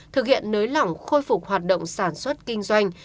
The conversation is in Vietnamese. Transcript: thực hiện nới lỏng khôi phục hoạt động sản xuất kinh doanh